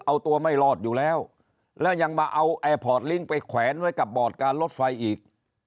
เอาตัวไม่รอดอยู่แล้วแล้วยังมาเอาแอร์พอร์ตลิงค์ไปแขวนไว้กับบอร์ดการรถไฟอีก